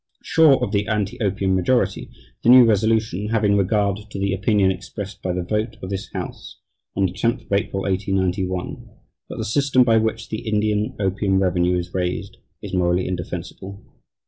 Sure of the anti opium majority, the new resolution, "having regard to the opinion expressed by the vote of this House on the 10th of April, 1891, that the system by which the Indian opium revenue is raised is morally indefensible